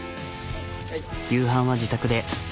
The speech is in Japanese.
夕飯は自宅で。